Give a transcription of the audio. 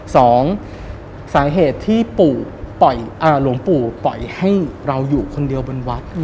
สองสาเหตุที่ปู่หลวงปู่ปล่อยให้เราอยู่คนเดียวบนวัด